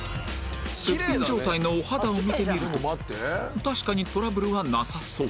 すっぴん状態のお肌を見てみると確かにトラブルはなさそう